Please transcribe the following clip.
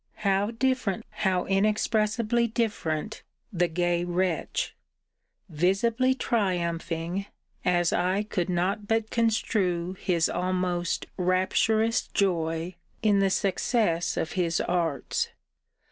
How different, how inexpressibly different, the gay wretch; visibly triumphing (as I could not but construe his almost rapturous joy) in the success of his arts!